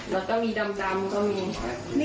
แล้วต้องมีดำต้องมี